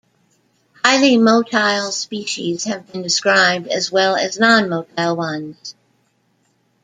Highly motile species have been described, as well as nonmotile ones.